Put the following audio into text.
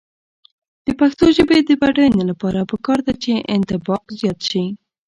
د پښتو ژبې د بډاینې لپاره پکار ده چې انطباق زیات شي.